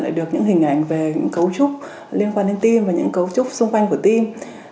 để được những hình ảnh về những cấu trúc liên quan đến tim và những cấu trúc xung quanh của tim